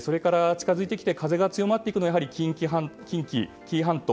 近づいてきて風が強まってくるのはやはり近畿、紀伊半島